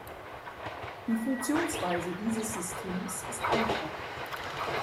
Die Funktionsweise dieses Systems ist einfach.